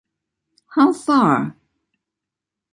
How Far?